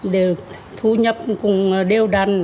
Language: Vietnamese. đều thu nhập cùng đeo đăn